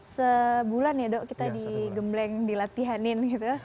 sebulan ya dok kita digembleng dilatihanin gitu